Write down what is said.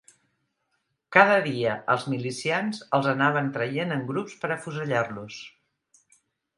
Cada dia els milicians els anaven traient en grups per a afusellar-los.